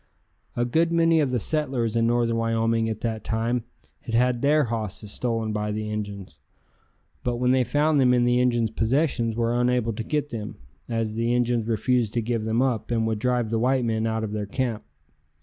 A good many of the settlers in northern Wyoming at that time had had their hosses stolen by the Injuns, but when they found them in the Injuns' possession were unable to get them, as the Injuns refused to give them up and would drive the white men out of their camp.